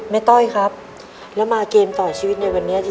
ต้อยครับแล้วมาเกมต่อชีวิตในวันนี้